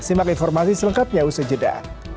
simak informasi selengkapnya usai jeda